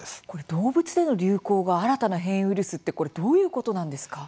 動物での流行が新たな変異ウイルスって、これどういうことなんですか？